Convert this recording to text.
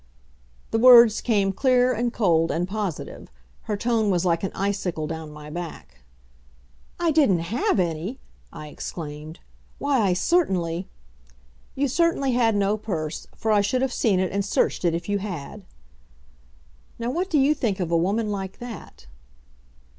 The words came clear and cold and positive. Her tone was like an icicle down my back. "I didn't have any!" I exclaimed. "Why, I certainly " "You certainly had no purse, for I should have seen it and searched it if you had." Now, what do you think of a woman like that?